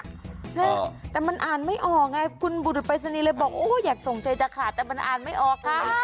แต่มันอ่านไม่ออกไงคุณบุรุษปริศนีย์เลยบอกโอ้อยากส่งใจจะขาดแต่มันอ่านไม่ออกค่ะ